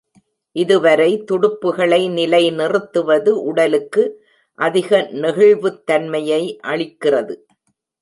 இதுவரை துடுப்புகளை நிலைநிறுத்துவது உடலுக்கு அதிக நெகிழ்வுத்தன்மையை அளிக்கிறது.